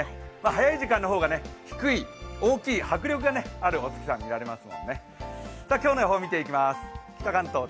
早い時間の方が低い、大きい、迫力のあるお月様が見られます。